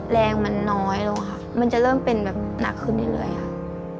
แรงมันน้อยแล้วค่ะมันจะเริ่มเป็นแบบหนักขึ้นเรื่อยค่ะ